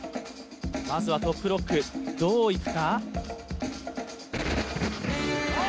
まずはトップロックどういくか。